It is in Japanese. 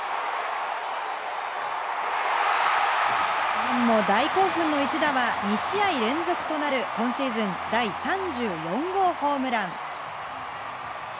ファンも大興奮の一打は２試合連続となる今シーズン第３４号ホームラン。